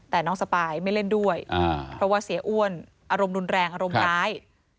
แต่น้องสปายไม่เล่นด้วยเพราะว่าเสียอ้วนอารมณ์รุนแรงอารมณ์ร้าย